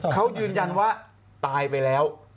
เขายืนยันว่าตายไปแล้ว